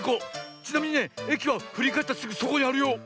ちなみにねえきはふりかえったすぐそこにあるよ。